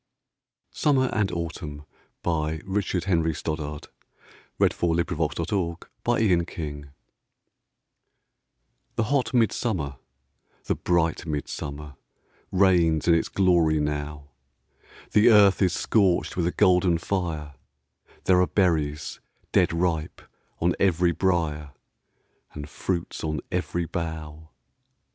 re and the Poet's mind. Richard Henry Stoddard Summer and Autumn THE hot mid summer, the bright mid summer Reigns in its glory now: The earth is scorched with a golden fire, There are berries, dead ripe, on every brier, And fruits on every bough.